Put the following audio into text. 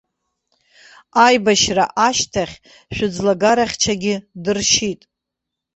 Аибашьра ашьҭахь шәыӡлагарахьчагьы дыршьит.